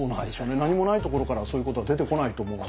何もないところからそういうことは出てこないと思うので。